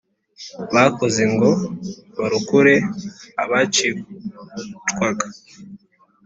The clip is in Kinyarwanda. bakoze ngo barokore abacicwaga.